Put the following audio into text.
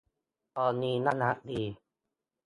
ตอนนี้ น่ารักดี